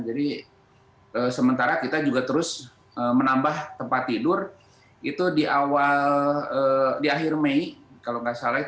jadi sementara kita juga terus menambah tempat tidur itu di awal di akhir mei kalau nggak salah